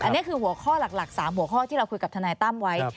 อันนี้คือหัวข้อหลัก๓หัวข้อที่เราคุยกับทนายตั้มไว้